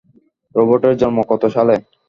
রোবটের জন্ম কত সালে?